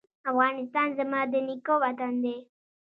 افغانستان زما د نیکه وطن دی